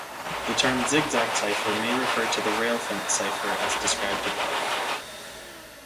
The term zigzag cipher may refer to the rail fence cipher as described above.